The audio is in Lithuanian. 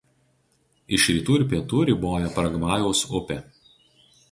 Iš rytų ir pietų riboja Paragvajaus upė.